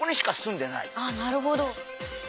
あなるほど。